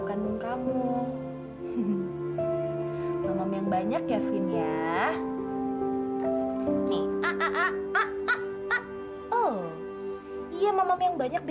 aku tahu aku salah